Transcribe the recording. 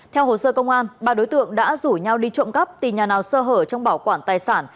theo hồ sơ công an ba đối tượng đã rủ nhau đi trộm cắp từ nhà nào sơ hở trong bảo quản tài sản